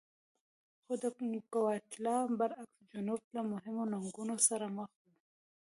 خو د ګواتیلا برعکس جنوب له مهمو ننګونو سره مخ و.